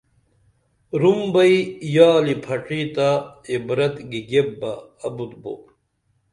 رُم بئی یالی پھچی تہ عبرت گیگیپ بہ ابُت بو